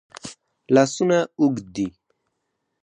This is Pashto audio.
لاسونه اوږد دي.